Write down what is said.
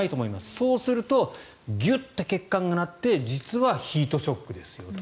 そうするとギュッと血管がなって実はヒートショックですよと。